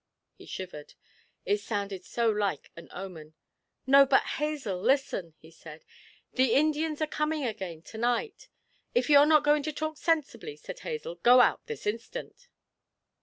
He shivered; it sounded so like an omen. 'No, but Hazel, listen,' he said; 'the Indians are coming again to night.' 'If you're not going to talk sensibly,' said Hazel, 'go out this instant.'